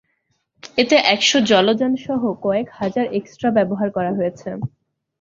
এতে একশো জলযান সহ কয়েক হাজার এক্সট্রা ব্যবহার করা হয়েছে।